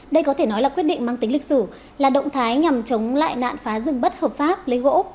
đây có thể nói là quyết định mang tính lịch sử là động thái nhằm chống lại nạn phá rừng bất hợp pháp lấy gỗ